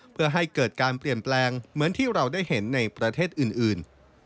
เพื่อให้เกิดการเปลี่ยนแปลงเหมือนที่เราได้เห็นในประเทศอื่น